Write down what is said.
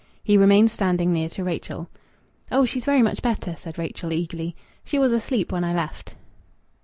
He remained standing near to Rachel. "Oh, she's very much better," said Rachel eagerly. "She was asleep when I left."